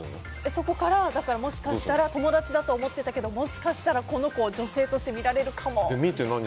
そこからもしかしたら友達だと思ってたけどこの子を女性として見られるかもって。